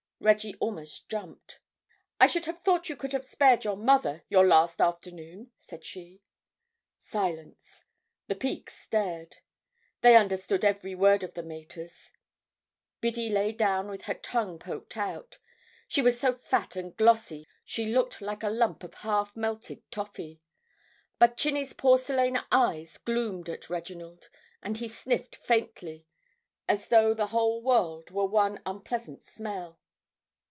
Reggie almost jumped. "I should have thought you could have spared your mother your last afternoon," said she. Silence. The Pekes stared. They understood every word of the mater's. Biddy lay down with her tongue poked out; she was so fat and glossy she looked like a lump of half melted toffee. But Chinny's porcelain eyes gloomed at Reginald, and he sniffed faintly, as though the whole world were one unpleasant smell.